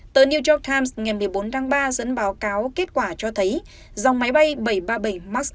tờ new york times ngày một mươi bốn tháng ba dẫn báo cáo kết quả cho thấy dòng máy bay bảy trăm ba mươi bảy max